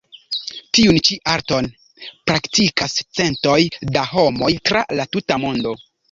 Tiun ĉi arton praktikas centoj da homoj tra la tuta mondo.